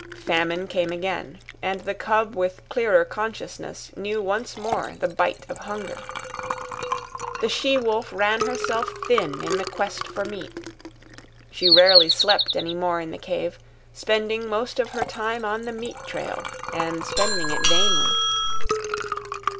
Famine came again, and the cub with clearer consciousness knew once more the bite of hunger. The she wolf ran herself thin in the quest for meat. She rarely slept any more in the cave, spending most of her time on the meat trail, and spending it vainly.